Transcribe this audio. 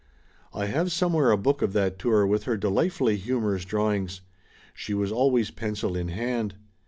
I have somewhere a book of that tour with her delight fully hiunorous drawings. She was always pencil in hand.